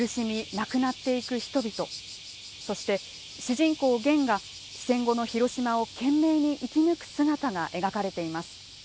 亡くなっていく人々そして、主人公ゲンが戦後の広島を懸命に生き抜く姿が描かれています。